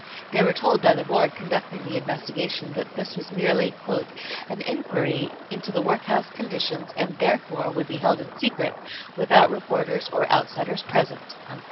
They were told by the Board conducting the investigation that this was merely "an inquiry into the workhouse conditions and therefore would be held in secret without reporters or outsiders present."